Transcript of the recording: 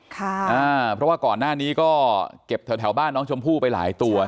เพราะว่าก่อนหน้านี้ก็เก็บแถวบ้านน้องชมพู่ไปหลายตัว